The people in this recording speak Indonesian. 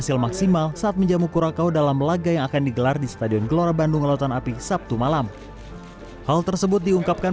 setelah mempersiapkan taktik dan strategi lain dalam laga kontrak kuracao